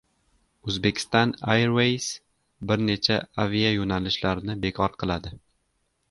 Uzbekistan Airways bir necha avia yo‘nalishlarni bekor qiladi